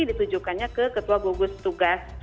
ditujukannya ke ketua gugus tugas